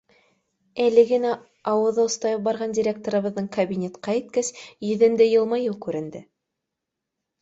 Әле генә ауыҙы остайып барған директорыбыҙҙың кабинетҡа еткәс, йөҙөндә йылмайыу күренде.